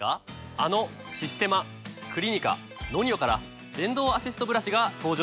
あのシステマクリニカＮＯＮＩＯから電動アシストブラシが登場したんです。